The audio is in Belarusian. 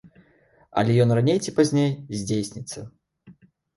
Але ён раней ці пазней здзейсніцца.